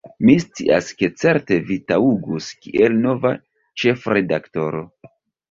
"Mi scias, ke certe vi taŭgus kiel nova ĉefredaktoro.